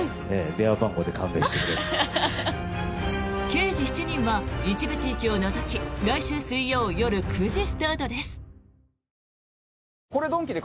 「刑事７人」は一部地域を除き来週水曜夜９時スタートです。